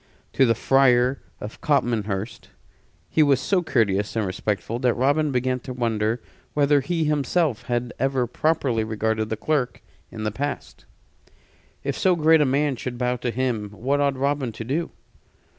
To the Friar of Copmanhurst he was so courteous and respectful that Robin began to wonder whether he himself had ever properly regarded the clerk in the past. If so great a man should bow to him, what ought Robin to do?